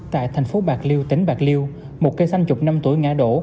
tại thành phố bạc liêu tỉnh bạc liêu một cây xanh chục năm tuổi ngã đổ